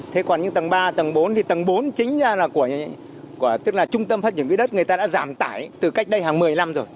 thế còn những tầng ba tầng bốn thì tầng bốn chính ra là của tức là trung tâm phát triển quỹ đất người ta đã giảm tải từ cách đây hàng một mươi năm rồi